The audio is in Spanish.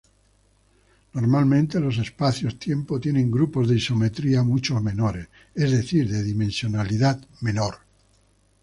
Normalmente los espacios-tiempo tienen grupos de isometría mucho menores, es decir, de dimensionalidad menor.